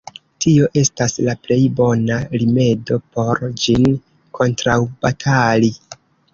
Tio estas la plej bona rimedo por ĝin kontraŭbatali.